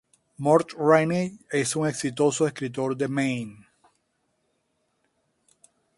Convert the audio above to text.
Mort Rainey es un exitoso escritor de Maine.